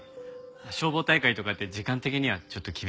消防大会とかあって時間的にはちょっと厳しいんですけど。